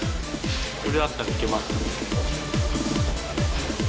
これだったらいけます。